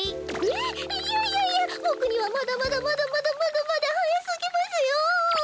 えっいやいやいやぼくにはまだまだまだまだまだまだはやすぎますよ。